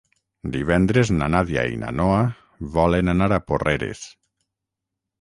Divendres na Nàdia i na Noa volen anar a Porreres.